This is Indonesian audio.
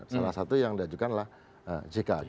salah satu yang diajukan adalah jk